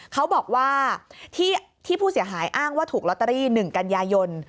เขาบอกว่าที่ผู้เสียหายอ้างว่าถูกลอตเตอรี่๑กันยายน